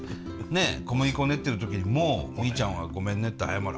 小麦粉練ってる時にもうみーちゃんはごめんねって謝る。